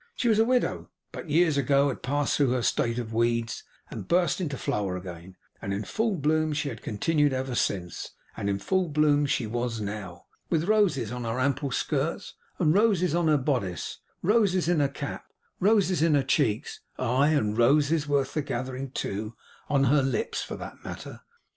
She was a widow, but years ago had passed through her state of weeds, and burst into flower again; and in full bloom she had continued ever since; and in full bloom she was now; with roses on her ample skirts, and roses on her bodice, roses in her cap, roses in her cheeks, aye, and roses, worth the gathering too, on her lips, for that matter.